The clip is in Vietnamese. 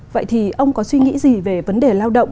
vậy thì ông có suy nghĩ gì về vấn đề lao động